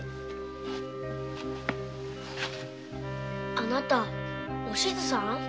あなたが「おしず」さん？